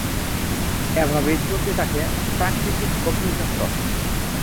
এভাবেই চলতে থাকে প্রাকৃতিক অগ্নি-চক্র।